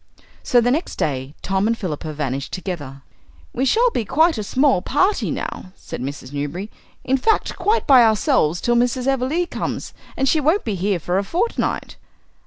So the next day Tom and Philippa vanished together. "We shall be quite a small party now," said Mrs. Newberry; "in fact, quite by ourselves till Mrs. Everleigh comes, and she won't be here for a fortnight."